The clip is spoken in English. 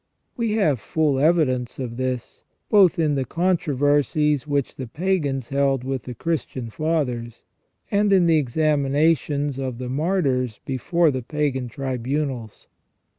We have full evidence of this, both in the controversies which the pagans held with the Christian Fathers, and in the examinations of the Martyrs before the pagan tribunals.